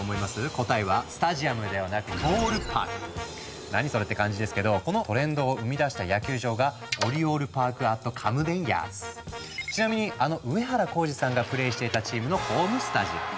答えは「スタジアム」ではなく何それって感じですけどこのトレンドを生み出した野球場がちなみにあの上原浩治さんがプレーしていたチームのホームスタジアム。